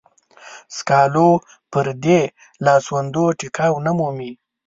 سکالو پردې لاسوندو ټيکاو نه مومي.